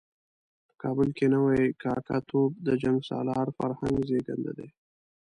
په کابل کې نوی کاکه توب د جنګ سالار فرهنګ زېږنده دی.